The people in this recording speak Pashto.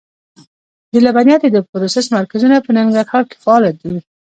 د لبنیاتو د پروسس مرکزونه په ننګرهار کې فعال دي.